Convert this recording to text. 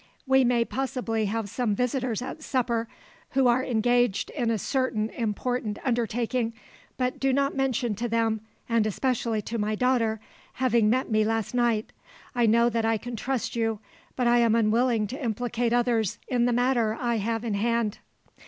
We may possibly have some visitors at supper, who are engaged in a certain important undertaking, but do not mention to them, and especially to my daughter, having met me last night. I know that I can trust you, but I am unwilling to implicate others in the matter I have in hand."